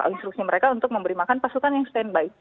instruksi mereka untuk memberi makan pasukan yang standby